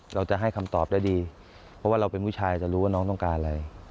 เราจะให้คำตอบได้ดีเพราะว่าเราเป็นผู้ชายจะรู้ว่าน้องต้องการอะไร